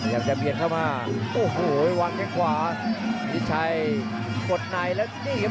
พยายามจะเพียงเข้ามาโอ้โหวันกันขวาพีชชัยกดไหนแล้วนี่ครับ